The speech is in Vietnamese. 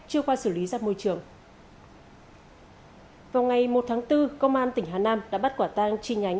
chưa qua xử lý ra môi trường vào ngày một tháng bốn công an tỉnh hà nam đã bắt quả tang chi nhánh